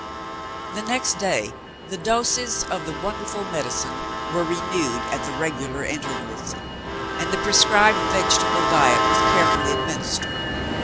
The next day, the doses of the wonderful medicine were renewed at the regular intervals; and the prescribed vegetable diet was carefully administered.